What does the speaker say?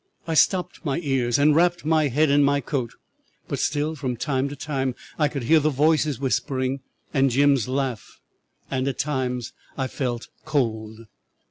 I stopped my ears and wrapped my head in my coat; but still, from time to time, I could hear the voices whispering, and Jim's laugh, and at times I felt cold.